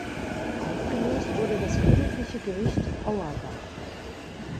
Aufgelöst wurde das Königliche Gericht Auerbach.